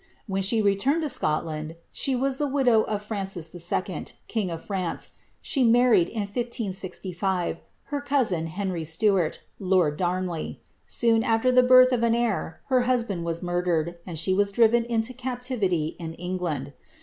When she returned lo Scodanif, she was the widow of Francis 11., king of France ; she married, in 1565, her cousin, Henry Stuarl,' lord Darnley. Soon after the birth nf an heir, her husband was murdered, and she was driven inid captivity in England.